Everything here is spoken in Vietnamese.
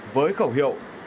với khẩu hiệu